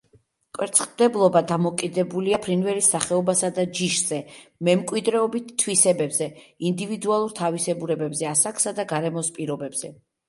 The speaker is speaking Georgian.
კვერცხმდებლობა დამოკიდებულია ფრინველის სახეობასა და ჯიშზე, მემკვიდრეობით თვისებებზე, ინდივიდუალურ თავისებურებებზე, ასაკსა და გარემოს პირობებზე.